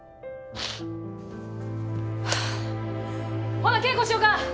ほな稽古しよか！